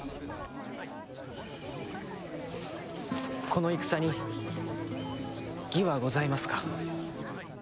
この戦に義はございますか。